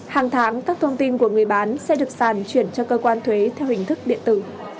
hàng tháng các thông tin của người bán sẽ được sàn chuyển cho cơ quan thuế theo hình thức điện tử